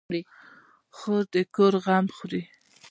خور د کور غم خوري.